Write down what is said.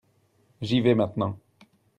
J'y vais maintenant.